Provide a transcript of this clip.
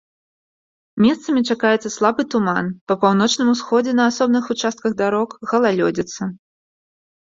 Месцамі чакаецца слабы туман, па паўночным усходзе на асобных участках дарог галалёдзіца.